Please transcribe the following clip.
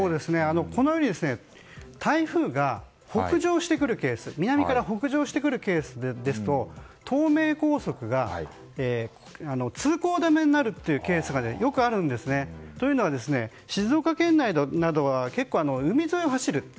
このように、台風が南から北上してくるケースですと東名高速が通行止めになるケースよくあるんですね。というのは、静岡県内などは結構海沿いを走る。